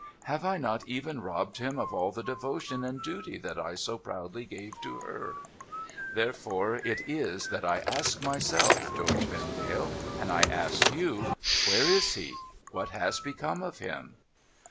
Have I not even robbed him of all the devotion and duty that I so proudly gave to her ? There fore it is that I ask myself, George Vendale, and I ask you, where is he ? What has become of him